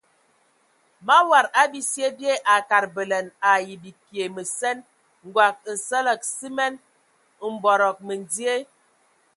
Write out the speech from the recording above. Mawad a bisye bye a kad bələna ai bikie məsen, ngɔg, nsələg simen, mbɔdɔgɔ məndie.